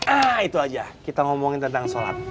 ah itu aja kita ngomongin tentang sholat